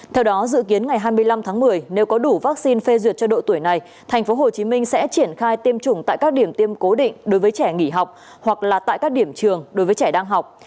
theo đó dự kiến ngày hai mươi năm tháng một mươi nếu có đủ vaccine phê duyệt cho độ tuổi này tp hcm sẽ triển khai tiêm chủng tại các điểm tiêm cố định đối với trẻ nghỉ học hoặc là tại các điểm trường đối với trẻ đang học